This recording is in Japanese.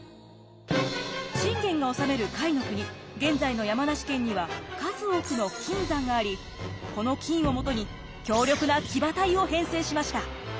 信玄が治める甲斐の国現在の山梨県には数多くの金山がありこの金をもとに強力な騎馬隊を編成しました。